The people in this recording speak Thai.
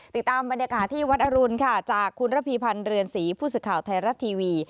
ติดตามบรรยากาศที่วัดอรุณค่ะจากคุณระพีพันธ์เรือนศรีผู้สื่อข่าวไทยรัฐทีวี